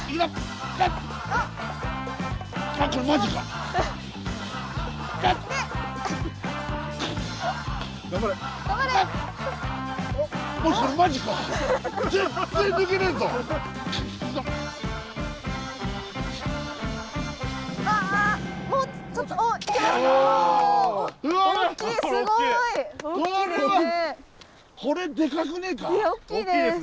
いや大きいです。